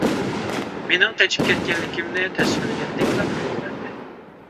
مېنىڭ قېچىپ كەتكەنلىكىمنى تەسۋىرلىگەندەكلا تۇيغۇ بەردى.